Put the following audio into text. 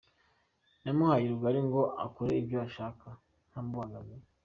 Namuhaye rugari ngo akore ibyo ashaka ntamubangamiye.